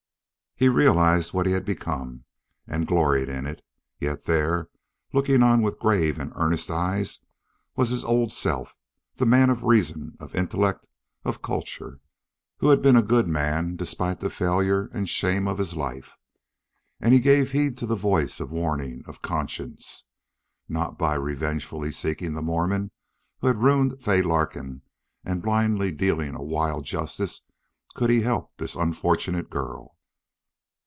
He realized what he had become and gloried in it, yet there, looking on with grave and earnest eyes, was his old self, the man of reason, of intellect, of culture, who had been a good man despite the failure and shame of his life. And he gave heed to the voice of warning, of conscience. Not by revengefully seeking the Mormon who had ruined Fay Larkin and blindly dealing a wild justice could he help this unfortunate girl.